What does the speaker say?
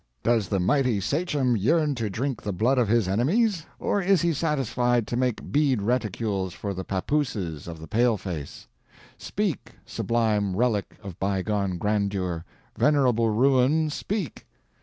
Does the mighty Sachem yearn to drink the blood of his enemies, or is he satisfied to make bead reticules for the pappooses of the paleface? Speak, sublime relic of bygone grandeur venerable ruin, speak!"